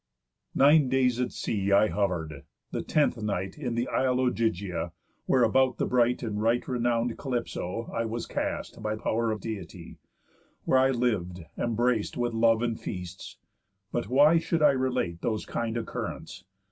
Nine days at sea I hover'd; the tenth night In th' isle Ogygia, where, about the bright And right renown'd Calypso, I was cast By pow'r of Deity; where I lived embrac'd With love and feasts. But why should I relate Those kind occurrents?